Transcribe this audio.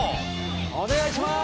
お願いしまーす。